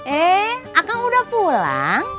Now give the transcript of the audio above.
eh akang udah pulang